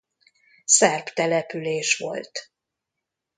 Szerb település volt.